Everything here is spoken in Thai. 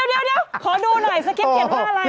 เดี๋ยวขอดูหน่อยสะเกี๊ยบเกียจว่าอะไร